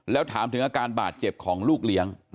แล้วถามถึงอาการบาดเจ็บของลูกเลี้ยง